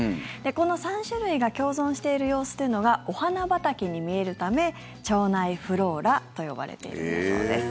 この３種類が共存している様子というのがお花畑に見えるため腸内フローラと呼ばれているんだそうです。